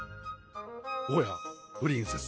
おやプリンセス